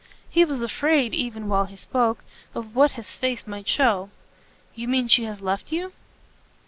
He was afraid, even while he spoke, of what his face might show. "You mean she has left you?"